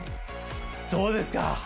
どうですか？